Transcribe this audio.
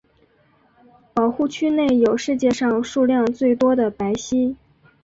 保护区内有世界上数量最多的白犀。